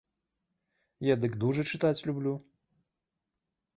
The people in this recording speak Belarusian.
Я дык дужа чытаць люблю.